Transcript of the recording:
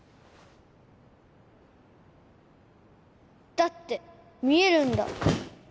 だって見えるんだ